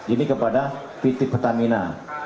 ini kepada pt pertamina